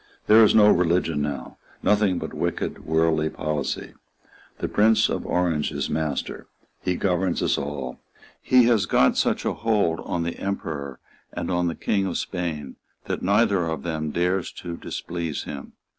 There is no religion now, nothing but wicked, worldly policy. The Prince of Orange is master. He governs us all. He has got such a hold on the Emperor and on the King of Spain that neither of them dares to displease him.